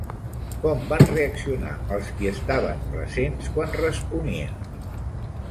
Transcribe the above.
Com van reaccionar els qui estaven presents quan responia?